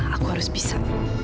aku harus bisa